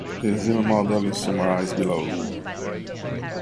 This new model is summarized below.